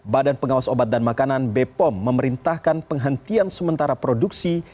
badan pengawas obat dan makanan bepom memerintahkan penghentian sementara produksi